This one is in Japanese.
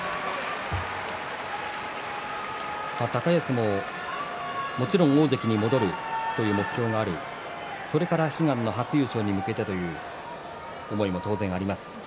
高安ももちろん大関に戻るという目標があるそれから悲願の初優勝に向けてという思いも当然あります。